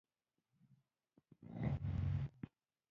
مارک زوګربرګ وایي خطر نه اخیستل لوی خطر دی.